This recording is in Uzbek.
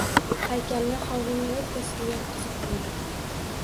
Haykalni hovlining o‘rtasiga yotqizib qo‘ydik…